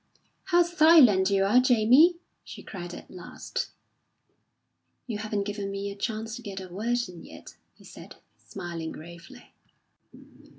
"How silent you are, Jamie!" she cried at last. "You haven't given me a chance to get a word in yet," he said, smiling gravely.